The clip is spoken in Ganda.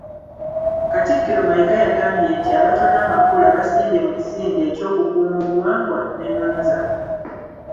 Katikkiro Mayiga yagambye nti abatona amakula basimbye mu kisinde eky'okukuuma obuwangwa n’ennono zaffe.